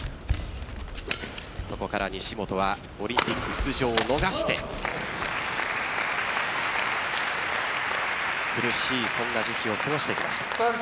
そこから西本はオリンピック出場を逃して苦しいそんな時期を過ごしてきました。